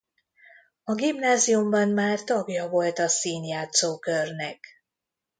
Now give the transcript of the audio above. A gimnáziumban már tagja volt a színjátszó körnek.